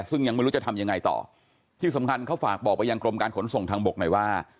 ซึ่งยังไม่รู้จะทำยังไงต่อที่สำคัญเขาฝากบอกไปยังกรมการขนส่งทางบกหน่อยว่า